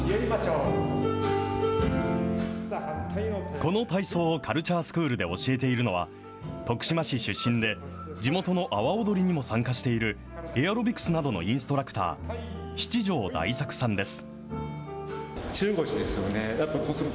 この体操をカルチャースクールで教えているのは、徳島市出身で、地元の阿波踊りにも参加しているエアロビクスなどのインストラクター、七條大作さんです。